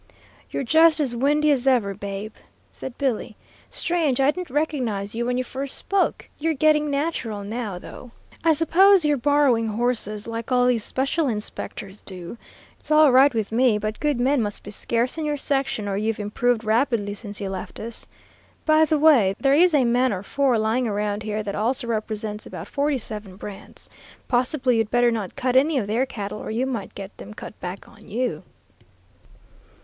"You're just as windy as ever, Babe," said Billy. "Strange I didn't recognize you when you first spoke. You're getting natural now, though. I suppose you're borrowing horses, like all these special inspectors do. It's all right with me, but good men must be scarce in your section or you've improved rapidly since you left us. By the way, there is a man or four lying around here that also represents about forty seven brands. Possibly you'd better not cut any of their cattle or you might get them cut back on you."